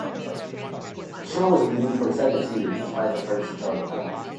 The show was renewed for a second series despite the first's dark tone.